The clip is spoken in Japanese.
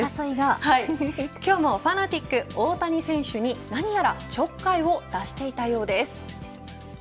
今日もファナティック大谷選手に何やら、ちょっかいを出していたようです。